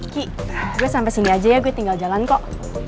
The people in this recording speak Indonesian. ki gue sampai sini aja ya gue tinggal jalan kok